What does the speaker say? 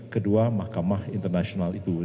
ke dua mahkamah internasional itu